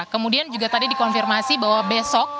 kemudian juga tadi dikonfirmasi bahwa besok